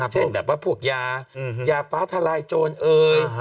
เช่นบวกยาฟ้าทลายโจรเอว